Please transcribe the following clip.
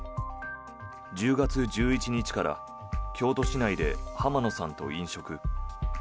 １０月１１日から京都市内で浜野さんと飲食。